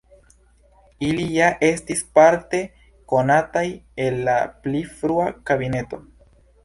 Ili ja estis parte konataj el la pli frua kabineto.